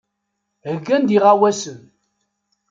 Heyyan-d iɣawasen.